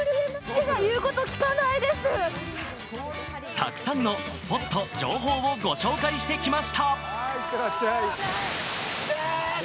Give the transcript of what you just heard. たくさんのスポット・情報をご紹介してきました。